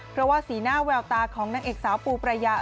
เพราะว่าสีหน้าแววตาของนางเอกสาวปูประยา